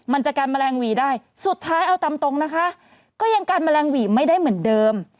มันจะกันแมลงหวีได้สุดท้ายเอาตามตรงนะคะก็ยังกันแมลงหวีไม่ได้เหมือนเดิม